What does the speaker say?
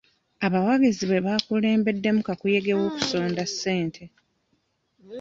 Abawagizi be bakulembeddemu kakuyege w'okusonda ssente.